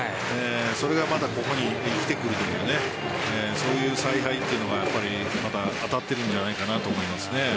それがまたここに生きてくるというそういう采配が当たっているんじゃないかなと思います。